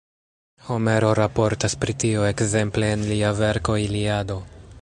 Homero raportas pri tio ekzemple en lia verko Iliado.